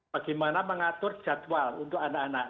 bagaimana mengatur jadwal untuk anak anak